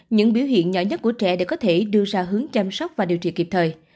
những biểu hiện nhỏ nhất của trẻ để có thể đưa ra hướng chăm sóc và điều trị kịp thời